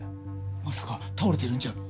まさか倒れてるんじゃ！